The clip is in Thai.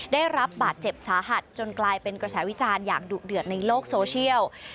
ได้รับบาดเจ็บสาหัสจนกลายเป็นกระแสวิจารณ์อย่างดุเดือดในโลกโซเชียล